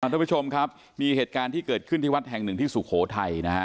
ทุกผู้ชมครับมีเหตุการณ์ที่เกิดขึ้นที่วัดแห่งหนึ่งที่สุโขทัยนะฮะ